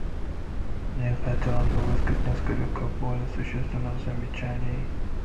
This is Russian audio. Мне хотелось бы высказать несколько более существенных замечаний.